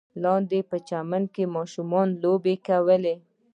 لاندې په چمن کې ماشومانو لوبې کولې.